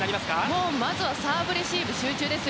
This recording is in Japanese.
まずはサーブレシーブ集中です。